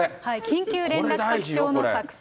緊急連絡先帳の作成。